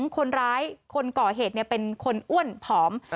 คนร้ายคนก่อเหตุเป็นคนอ้วนผอม